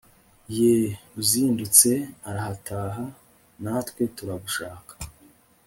yeee uzindutse arahataha natwe turagushaka